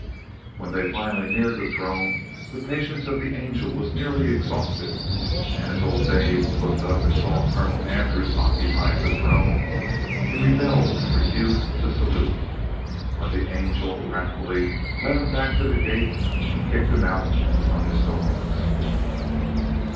When they finally neared the throne, the patience of the angel was nearly exhausted; and as old Dave looked up and saw Colonel Andrews occupying the throne, he rebelled and refused to salute, when the angel wrathfully led him back to the gate and kicked him out among his dogs."